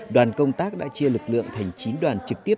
đoàn công tác đã chia lực lượng thành chín đoàn trực tiếp